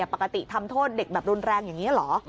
ปกติทำโทษเด็กแบบรุนแรงอย่างนี้เหรอ